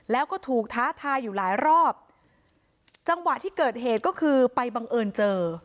แล้วก็ถูกท้าทายอยู่หลายรอบจังหวะที่เกิดเหตุก็คือไปบังเอิญเจอ